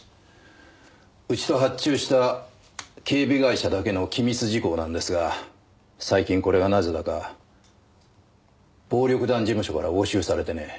うちと発注した警備会社だけの機密事項なんですが最近これがなぜだか暴力団事務所から押収されてね。